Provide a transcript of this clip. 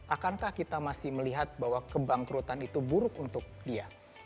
akankah kita masih melihat bahwa kebangkrutan itu buruk untuk dia